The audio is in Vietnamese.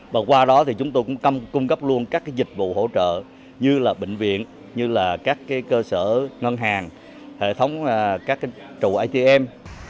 và qua đó thì chúng tôi cũng cung cấp luôn các dịch vụ hỗ trợ như là bệnh viện như là các cơ sở ngân hàng hệ thống các trụ itm